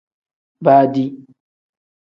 Baadi.